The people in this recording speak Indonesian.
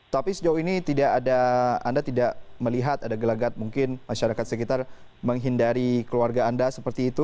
tapi sejauh ini anda tidak melihat ada gelagat mungkin masyarakat sekitar menghindari keluarga anda seperti itu